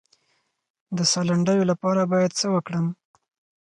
د ساه د لنډیدو لپاره باید څه وکړم؟